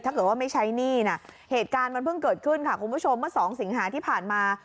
ถ้าเกิดว่าไม่ใช้หนี้นะเหตุการณ์มันเพิ่งเกิดขึ้นค่ะคุณผู้ชมเมื่อสองสิงหาที่ผ่านมา